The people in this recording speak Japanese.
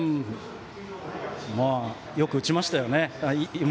よく打ちましたよね。